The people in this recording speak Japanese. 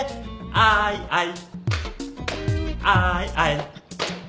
「アイアイ」